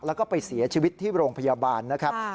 แล้วก็ไปเสียชีวิตที่โรงพยาบาลนะครับ